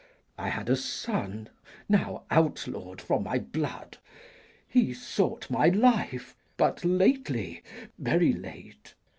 I had a son, Now outlaw'd from my blood. He sought my life But lately, very late.